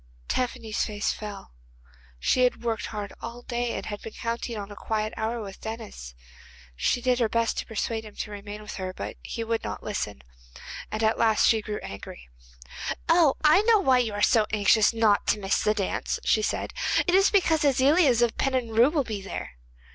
Tephany's face fell; she had worked hard all day, and had been counting on a quiet hour with Denis. She did her best to persuade him to remain with her, but he would not listen, and at last she grew angry. 'Oh, I know why you are so anxious not to miss the dance,' she said; 'it is because Aziliez of Pennenru will be there.